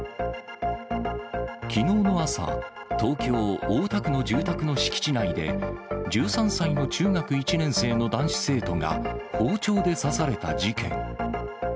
きのうの朝、東京・大田区の住宅の敷地内で、１３歳の中学１年生の男子生徒が、包丁で刺された事件。